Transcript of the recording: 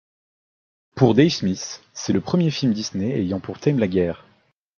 Pour Dave Smith, c'est le premier film de Disney ayant pour thème la guerre.